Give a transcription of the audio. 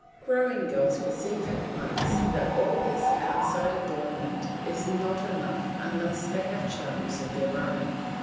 Growing girls perceive at once that all this outside adornment is not enough unless they have charms of their own.